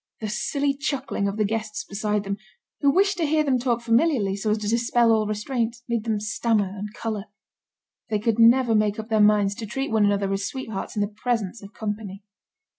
The silly chuckling of the guests beside them, who wished to hear them talk familiarly, so as to dispel all restraint, made them stammer and colour. They could never make up their minds to treat one another as sweethearts in the presence of company.